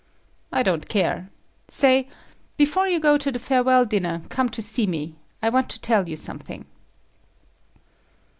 "I don't care. Say, before you go to the farewell dinner, come to see me. I want to tell you something."